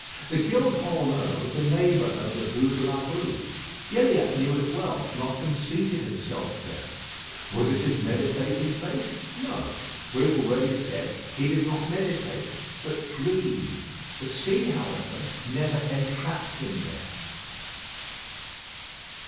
The Gild Holm 'Ur was a neighbour of the Bû de la Rue. Gilliatt knew it well, and often seated himself there. Was it his meditating place? No. We have already said he did not meditate, but dream. The sea, however, never entrapped him there.